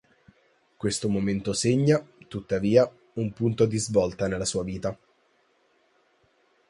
Questo momento segna, tuttavia, un punto di svolta nella sua vita.